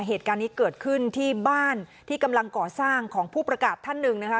เหตุการณ์นี้เกิดขึ้นที่บ้านที่กำลังก่อสร้างของผู้ประกาศท่านหนึ่งนะคะ